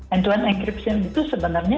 end to end encription itu sebenarnya